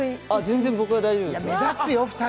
全然僕は大丈夫です。